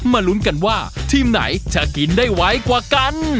ลุ้นกันว่าทีมไหนจะกินได้ไวกว่ากัน